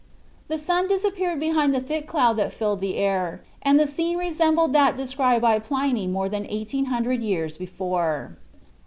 The sun disappeared behind the thick cloud that filled the air, and the scene resembled that described by Pliny more than eighteen hundred years before.